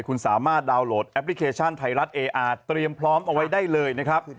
คุณสามารถดาวน์โหลดแอปพลิเคชันไทยรัฐเออาร์เตรียมพร้อมเอาไว้ได้เลยนะครับ